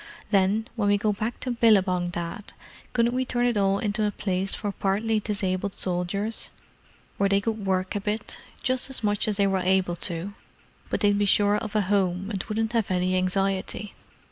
"Then when we go back to Billabong, Dad, couldn't we turn it all into a place for partly disabled soldiers,—where they could work a bit, just as much as they were able to, but they'd be sure of a home and wouldn't have any anxiety.